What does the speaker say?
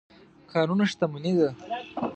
کانونه شتمني ده.